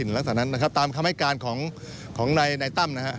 ที่เจ้าถิ่นหลักษณะนั้นนะครับตามคำให้การของของในในตั้มนะฮะนะครับ